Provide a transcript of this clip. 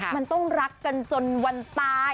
มันต้องรักกันจนวันตาย